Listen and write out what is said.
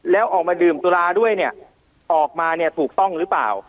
แล้วออกมาดื่มสุราด้วยเนี่ยออกมาเนี่ยถูกต้องหรือเปล่า